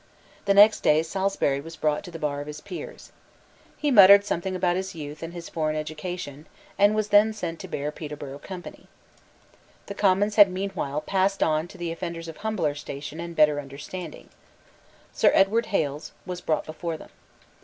The next day Salisbury was brought to the bar of his peers. He muttered something about his youth and his foreign education, and was then sent to bear Peterborough company, The Commons had meanwhile passed on to offenders of humbler station and better understanding. Sir Edward Hales was brought before them.